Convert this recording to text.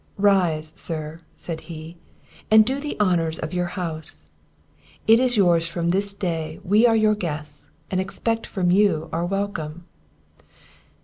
"Rise, sir," said he, "and do the honours of your house! it is yours from this day: we are your guests, and expect from you our welcome!"